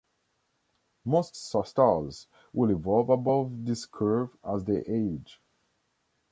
Most stars will evolve above this curve as they age.